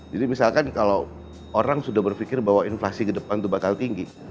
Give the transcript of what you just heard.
jadi misalkan kalau orang sudah berpikir bahwa inflasi ke depan itu bakal tinggi